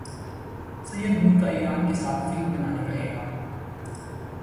سید نور کا ایران کے ساتھ فلم بنانے کا اعلان